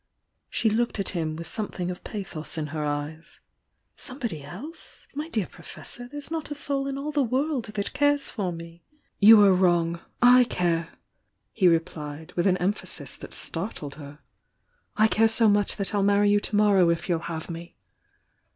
She looked at him with something of pathos in her eyes. "Somebody else? My dear Professor, there's not a soul in all the world that cares for me!" "You are wrong,—/ care!" he replied, with an emphasis that startled her — "I care so much that I'll marry you to morrow if you'll have me!"